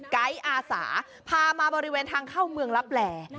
กั๊ยอาศาพามาบริเวณทางเคราะห์เมืองและแปร